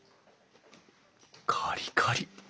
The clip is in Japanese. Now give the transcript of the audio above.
カリカリ！